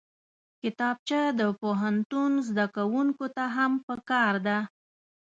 کتابچه د پوهنتون زدکوونکو ته هم پکار ده